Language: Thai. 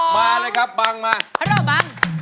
มาเลยครับบังมา